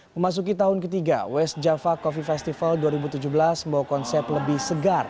memasuki tahun ketiga west java coffee festival dua ribu tujuh belas membawa konsep lebih segar